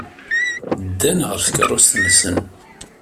Ddan ɣer tkeṛṛust-nsen.